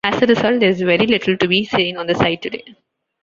As a result, there is very little to be seen on the site today.